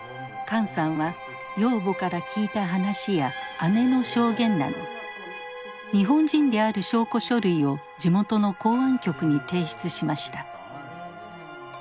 管さんは養母から聞いた話や姉の証言など日本人である証拠書類を地元の公安局に提出しました。